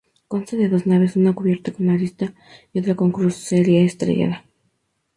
Consta de dos naves, una cubierta con arista y otra con crucería estrellada.